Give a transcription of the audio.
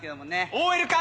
ＯＬか！